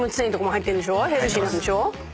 ヘルシーなんでしょ。